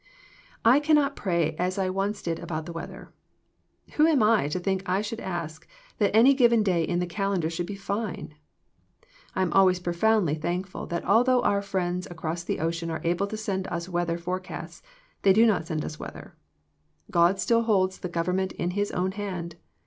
I cannot pray as I once did about the weather. Who am I that I should ask that any given day in the calendar should be fine ? I am always profoundly thank ful that although our friends across the ocean are able to send us w^eather forecasts, they do not send us weather. God still holds the government in His own hand.